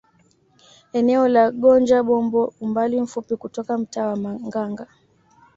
Eneo la Gonja Bombo umbali mfupi kutoka mtaa wa Manganga